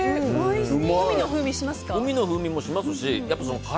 海の風味しますか？